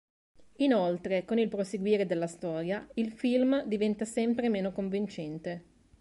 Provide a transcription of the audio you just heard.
Inoltre, con il proseguire della storia, il film diventa sempre meno convincente".